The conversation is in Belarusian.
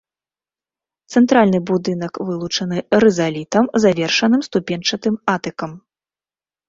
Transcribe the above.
Цэнтральны будынак вылучаны рызалітам, завершаным ступеньчатым атыкам.